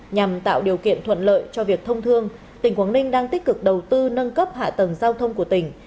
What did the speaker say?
nhằm tạo điều kiện thuận lợi cho việc thông thương tỉnh quảng ninh đang tích cực đầu tư nâng cấp hạ tầng giao thông của tỉnh